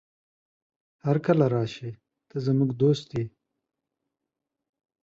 هرکله راشې، ته زموږ دوست يې.